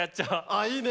あいいね。